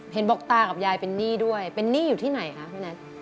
เห็นบอกตากับยายเป็นหนี้ด้วยเป็นหนี้อยู่ที่ไหนคะพี่นัท